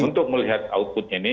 untuk melihat outputnya ini